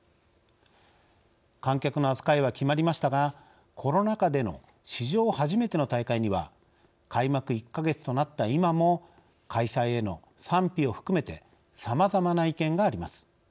観客の扱いは決まりましたがコロナ禍での史上初めての大会には開幕１か月となった今も開催への賛否を含めてさまざまな意見があります。